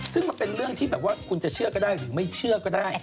ซึ่งมันเป็นเรื่องที่แบบว่าคุณจะเชื่อก็ได้หรือไม่เชื่อก็ได้